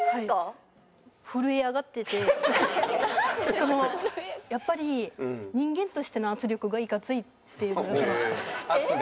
そのやっぱり人間としての圧力がいかついっていうのが一番。